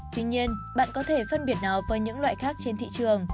tuy nhiên bạn có thể phân biệt nó với những loại khác trên thị trường